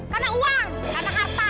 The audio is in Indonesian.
karena uang karena harta